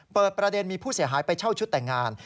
เปิดประเด็นมีผู้เสียหายไปเช่าชุดแต่งงาน